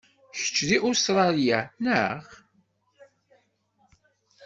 Kečč si Ustṛalya, neɣ?